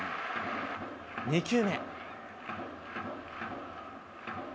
２球目。